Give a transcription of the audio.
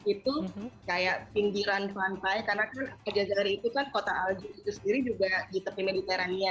itu kayak pinggiran pantai karena kan jari itu kan kota alju itu sendiri juga di tepi mediterania